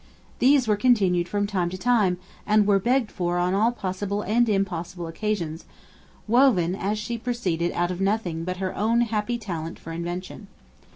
These were continued from time to time, and were begged for on all possible and impossible occasions; woven, as she proceeded, out of nothing but her own happy talent for invention.